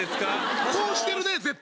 こうしてるね絶対ね。